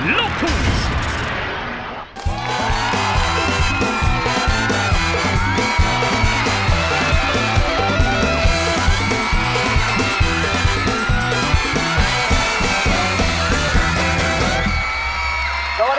โลกถุง